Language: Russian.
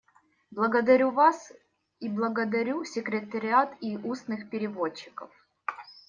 Благодарю вас и благодарю секретариат и устных переводчиков.